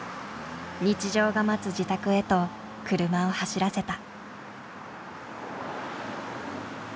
日常が待つ自宅へと車を走らせた。